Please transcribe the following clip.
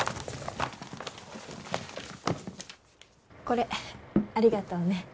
これありがとうね